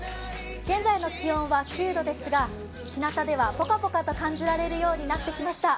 現在の気温は９度ですが、ひなたではぽかぽかと感じられるようになってきました。